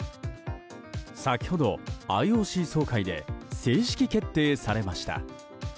先ほど、ＩＯＣ総会で正式決定されました。